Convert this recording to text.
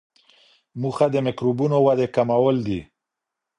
موخه د میکروبونو ودې کمول وي.